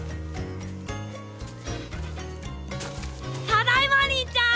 ただいま兄ちゃん。